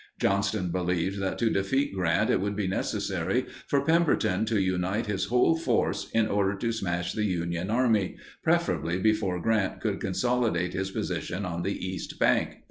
Johnston believed that to defeat Grant it would be necessary for Pemberton to unite his whole force in order to smash the Union Army, preferably before Grant could consolidate his position on the east bank.